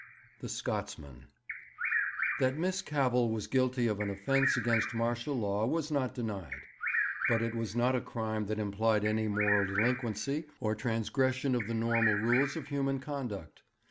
The Scotsman. 'That Miss Cavell was guilty of an offence against martial law was not denied. But it was not a crime that implied any moral delinquency or transgression of the normal rules of human conduct.